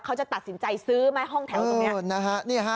เขาจะตัดสินใจซื้อไหมห้องแถวตรงนี้นะฮะ